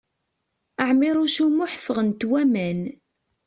Ɛmiṛuc U Muḥ ffɣent waman.